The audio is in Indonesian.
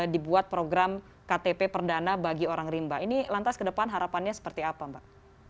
dibuat program ktp perdana bagi orang rimba ini lantas ke depan harapannya seperti apa mbak